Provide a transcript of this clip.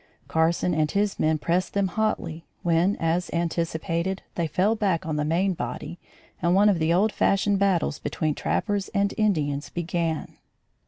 Carson and his men pressed them hotly, when, as anticipated, they fell back on the main body and one of the old fashioned battles between trappers and Indians began.